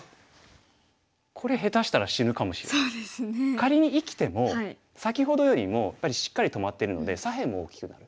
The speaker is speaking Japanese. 仮に生きても先ほどよりもやっぱりしっかり止まってるので左辺も大きくなる。